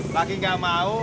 lagi gak mau